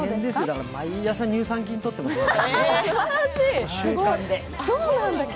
毎朝、乳酸菌をとってますよ